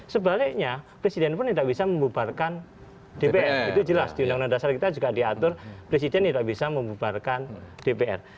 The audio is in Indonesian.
sebaliknya presiden pun tidak bisa membubarkan dpr itu jelas di undang undang dasar kita juga diatur presiden tidak bisa membubarkan dpr